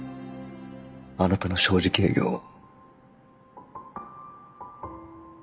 あなたの正直営業を。